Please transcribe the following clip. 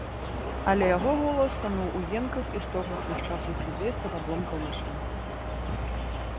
Але яго голас тануў у енках і стогнах няшчасных людзей з-пад абломкаў машын.